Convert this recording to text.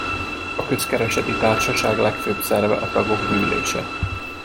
A közkereseti társaság legfőbb szerve a tagok gyűlése.